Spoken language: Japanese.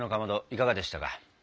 いかがでしたか？